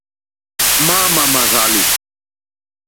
Máámà mà rzàlì.